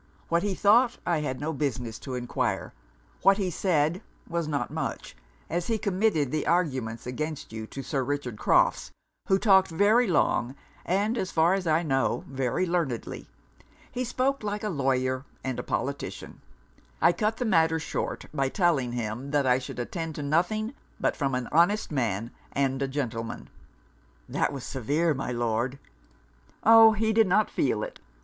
What he thought, I had no business to enquire; what he said, was not much; as he committed the arguments against you to Sir Richard Crofts, who talked very long, and, as far as I know, very learnedly. He spoke like a lawyer and a politician. I cut the matter short, by telling him that I should attend to nothing but from an honest man and a gentleman.' 'That was severe, my Lord.' 'Oh! he did not feel it.